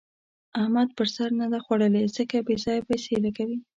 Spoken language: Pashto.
احمد پر سر نه ده خوړلې؛ ځکه بې ځايه پيسې لګوي.